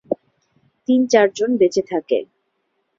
তিন-চারজন বেঁচে থাকে।